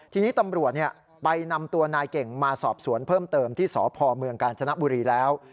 ทีนี้ตำรวจไปนำตัวนายเก่งมาสอบสวนเพิ่มเติมที่สพเมืองกาญจนบุรีแล้ว